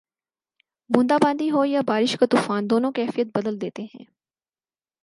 بوندا باندی ہو یا بارش کا طوفان، دونوں کیفیت بدل دیتے ہیں